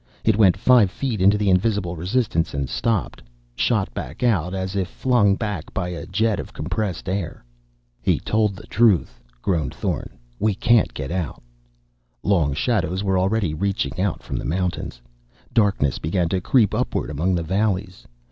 It went five feet into the invisible resistance and stopped, shot back out as if flung back by a jet of compressed air. "He told the truth," groaned Thorn. "We can't get out!" Long shadows were already reaching out from the mountains. Darkness began to creep upward among the valleys.